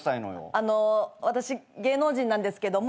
あの私芸能人なんですけども。